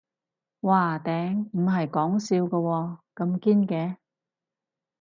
嘩頂，唔係講笑㗎喎，咁堅嘅